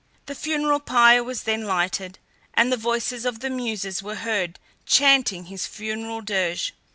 The funeral pyre was then lighted, and the voices of the Muses were heard chanting his funeral dirge.